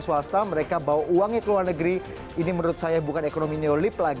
sebatang yang dipercaya pada dengarkan